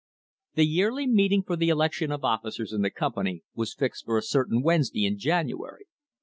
The yearly meeting for the election of officers in the com pany was fixed for a certain Wednesday in January.